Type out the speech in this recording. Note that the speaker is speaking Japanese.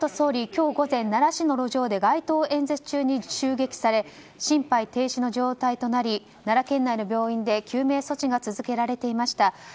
今日午前奈良市の路上で街頭演説中に襲撃され心肺停止の状態となり奈良県内の病院で救命措置が続けられていました。